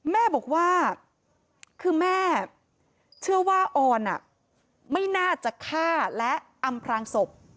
แม่บอกว่าคือแม่เชื่อว่าออนไม่น่าจะฆ่าและอำพรางศพ